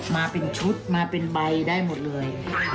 มาเป็นชุดมาเป็นใบได้หมดเลย